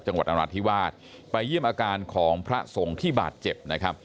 จังหวัดอรัฐธิวาสไปเยี่ยมอาการของพระสงค์ที่บาดเจ็บ